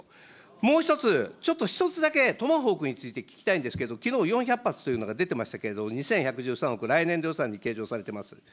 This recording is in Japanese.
もう１つ、ちょっと１つだけ、トマホークについて聞きたいんですけど、きのう４００発というのが出てましたけれども、２１１３億、来年度予算に計上されています。